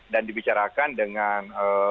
dan dibicarakan dengan